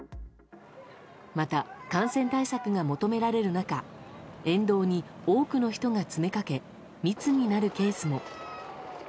また、感染対策が求められる中沿道に多くの人が詰めかけ密になるケースも。